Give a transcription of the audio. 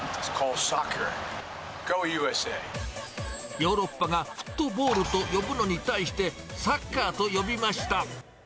ヨーロッパがフットボールと呼ぶのに対して、サッカーと呼びました。